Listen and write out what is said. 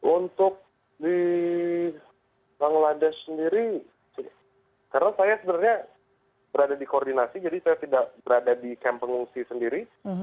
untuk di bangladesh sendiri karena saya sebenarnya berada di koordinasi jadi saya tidak berada di kamp pengungsi sendiri